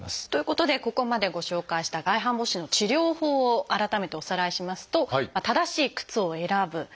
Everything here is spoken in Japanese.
ということでここまでご紹介した外反母趾の治療法を改めておさらいしますと正しい靴を選ぶ。